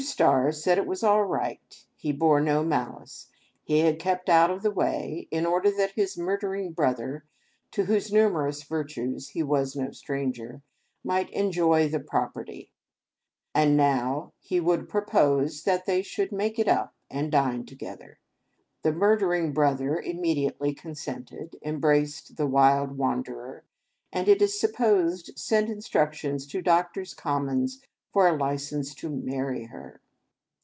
Stars said it was all right ; he bore no malice ; he had kept out of the way, in order that his murdering brother (to whose numerous virtues he was no stranger) might enjoy the property; and now he would propose that they should make it up and dine together. The murdering brother immedi:.tely consented, embraced the Wild Wanderer, and it is supposed sent instructions to Doctors' Commons for a license to marry her.